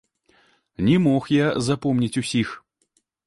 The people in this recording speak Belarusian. Не мог я запомніць усіх.